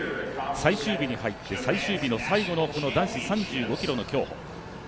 最終日に入って、最終日の最後の男子３５ｋｍの競歩。